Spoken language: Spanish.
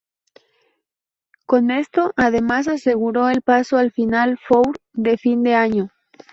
Con esto además aseguró el paso al Final Four de fin de año.